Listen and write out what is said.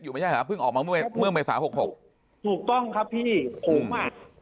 อยู่ไหมใช่ไหมเพิ่งออกมาเมื่อเมื่อเมษา๖๖ถูกต้องครับพี่ผมอ่ะ